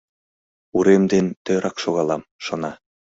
«Урем ден тӧрак шогалам!» шона.